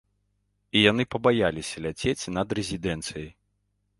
І яны пабаяліся ляцець над рэзідэнцыю.